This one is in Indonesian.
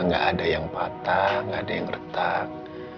gak ada yang patah gak ada yang retak